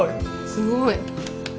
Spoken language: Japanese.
すごい。